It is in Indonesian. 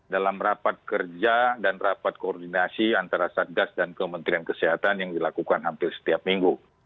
dalam rapat kerja dan rapat koordinasi antara satgas dan kementerian kesehatan yang dilakukan hampir setiap minggu